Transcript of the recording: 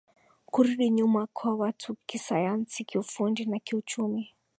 kurudi nyuma kwa watu kisayansi kiufundi na kiuchumi